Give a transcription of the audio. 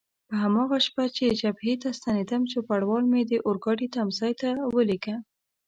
په هماغه شپه چې جبهې ته ستنېدم، چوپړوال مې د اورګاډي تمځای ته ولېږه.